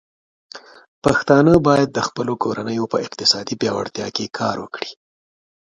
پښتانه بايد د خپلو کورنيو په اقتصادي پياوړتيا کې کار وکړي.